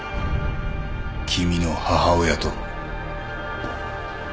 君の母親と。